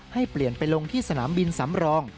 ให้เปลี่ยนไปลงที่สนามบินสำรอง